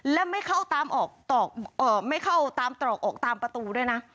และไม่เข้าตามออกไม่เข้าตามตรอกออกตามประตูด้วยนะ